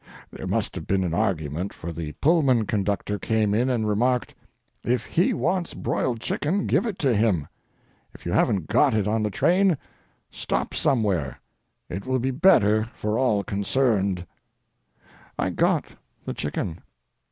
There must have been an argument, for the Pullman conductor came in and remarked: "If he wants broiled chicken, give it to him. If you haven't got it on the train, stop somewhere. It will be better for all concerned!" I got the chicken.